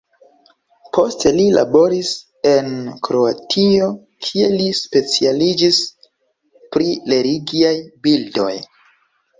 Poste li laboris en Kroatio kie li specialiĝis pri religiaj bildoj.